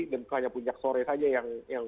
dan hanya puncak sore saja yang